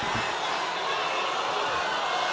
tidak saya minta keberadaan